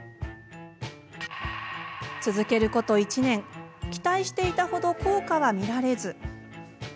続けること１年期待していたほど効果は見られず。